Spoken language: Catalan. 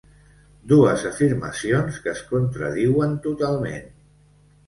Dues afirmacions que es contradiuen totalment.